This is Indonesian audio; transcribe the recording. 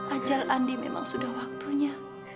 ajal andi memang sudah waktunya